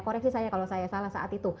koreksi saya kalau saya salah saat itu